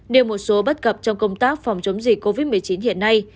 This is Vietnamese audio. nêu một số bất cập trong công tác phòng chống dịch covid một mươi chín hiện nay